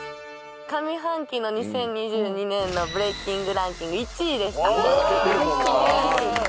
上半期の２０２２年のブレイキングランキング１位でした。